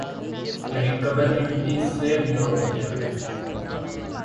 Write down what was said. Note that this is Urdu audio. میری قبر کی مٹی سے بھی لوگ اینٹیں بنائی گے ۔